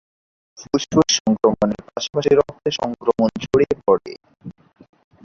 ফুসফুস সংক্রমণের পাশাপাশি রক্তে সংক্রমণ ছড়িয়ে পড়ে।